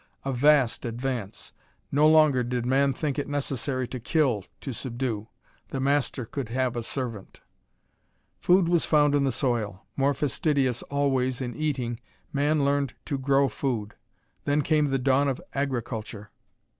A vast advance! No longer did man think it necessary to kill, to subdue: the master could have a servant. Food was found in the soil. More fastidious always, in eating, man learned to grow food. Then came the dawn of agriculture.